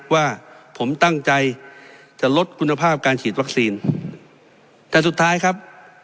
ว่าผมตั้งใจจะลดคุณภาพการฉีดวัคซีนแต่สุดท้ายครับ